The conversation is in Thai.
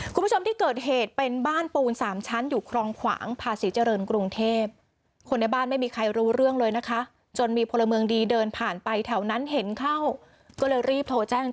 คุณผู้ชมที่เกิดเหตุเป็นบ้านปูน๓ชั้นอยู่คลองขวางภาษีเจริญกรุงเทพ